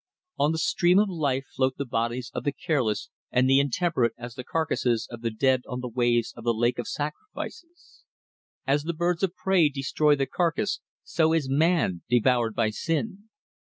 On the stream of life float the bodies of the careless and the intemperate as the carcases of the dead on the waves of the Lake of Sacrifices. As the birds of prey destroy the carcase so is man devoured by sin.